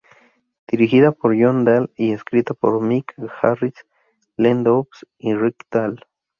Dirigida por John Dahl y escrita por Mick Garris, Lem Dobbs y Rick Dahl.